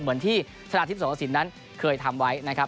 เหมือนที่ชนะทิพย์สงสินนั้นเคยทำไว้นะครับ